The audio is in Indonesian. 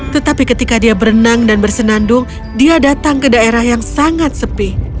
tetapi ketika dia berenang dan bersenandung dia datang ke daerah yang sangat sepi